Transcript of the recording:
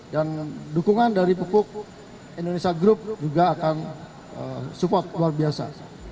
dan dukungan dari pukul indonesia group juga akan support luar biasa